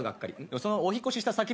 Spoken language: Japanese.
そのお引っ越しした先でね